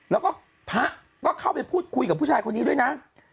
แล้วก็พระก็เข้าไปพูดคุยกับผู้ชายคนนี้ด้วยนะ